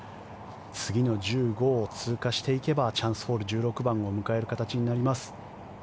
次の１５を通過していけばチャンスホール１６番を迎える形になります。